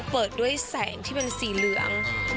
เปิดด้วยแสงที่เป็นสีเหลือง